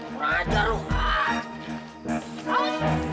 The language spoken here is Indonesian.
kurang ajar lu